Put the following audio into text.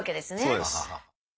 そうです。